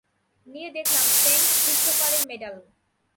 নিয়ে দেখলাম, সেন্ট ক্রিস্টোফারের মেডাল।